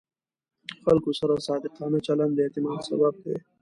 د خلکو سره صادقانه چلند د اعتماد سبب دی.